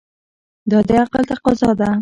دا د عقل تقاضا ده.